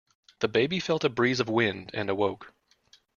The baby felt a breeze of wind and awoke.